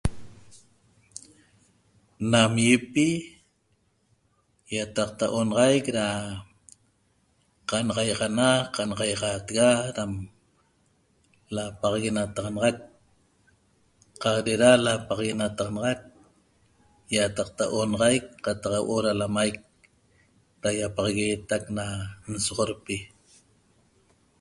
Nam iepi iataqta onaxaic ra qanaxaiaxana , qanaxaiaxatega ram lapaxaguenataxanaxac qaq re'era lapaxaguenataxanaxac iataqta onaxaic qataq huoo' ra lamaic ra iapaxaguetac na nsoxorpi